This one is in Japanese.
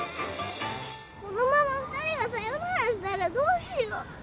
このまま２人がサヨナラしたらどうしよう？